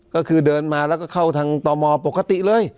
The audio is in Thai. ก็คือเดินมาแล้วก็เข้าทางตมปกติเลย